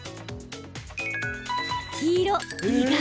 黄色・意外！